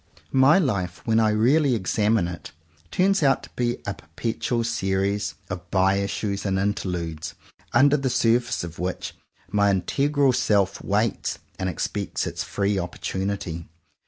My life, when I really examine it, turns out to be a perpetual series of bye issues and interludes, under the surface of which my integral self waits and expects its free opportunity.